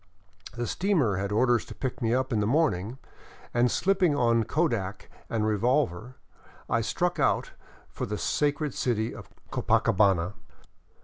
The steamer had orders to pick me up in the morning, and slipping on kodak and revolver, I struck out for the sacred city of Copacabana.